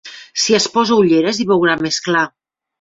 Si es posa ulleres hi veurà més clar.